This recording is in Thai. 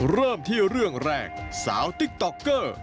เริ่มที่เรื่องแรกสาวติ๊กต๊อกเกอร์